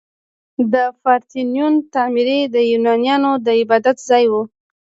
د پارتینون تعمیر د یونانیانو د عبادت ځای و.